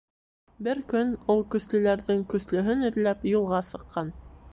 Бер көн ул, көслөләрҙең көслөһөн эҙләп, юлға сыҡҡан.